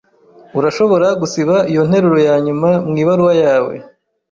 Urashobora gusiba iyo nteruro yanyuma mu ibaruwa yawe.